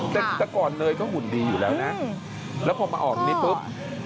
แต่ก่อนเนยก็หุ่นดีอยู่แล้วนะแล้วพอมาออกตรงนี้ปุ๊บ